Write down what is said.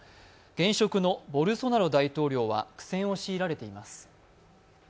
現職のボルソナロ大統領は苦戦を強いられています。